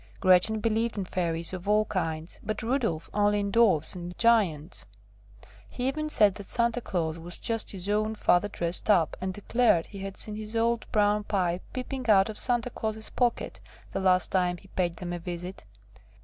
Gretchen believed in Fairies of all kinds, but Rudolf only in Dwarfs and Giants. He even said that Santa Claus was just his own father dressed up, and declared he had seen his old brown pipe peeping out of Santa Claus' pocket the last time he paid them a visit.